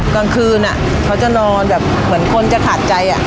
กลางคืนเขาจะนอนแบบเหมือนคนจะขาดใจ